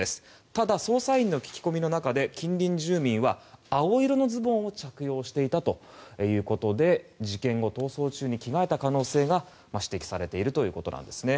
ただ、捜査員の聞き込みの中で近隣住民は、青色のズボンを着用していたということで事件後、逃走中に着替えた可能性が指摘されているということなんですね。